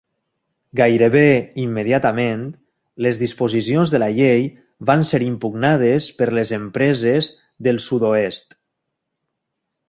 Gairebé immediatament, les disposicions de la llei van ser impugnades per les empreses del sud-oest.